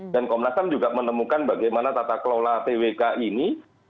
dan komnas ham juga menemukan bagaimana tata kelola pwk ini